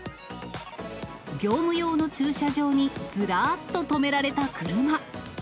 業務用の駐車場にずらーっと止められた車。